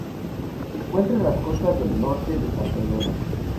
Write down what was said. Se encuentra en las costas del norte de Santa Helena.